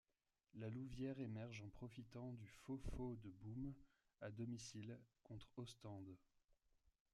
La Louvière émerge en profitant du faux faux de Boom, à domicile, contre Ostende.